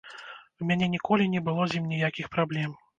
У мяне ніколі не было з ім ніякіх праблем.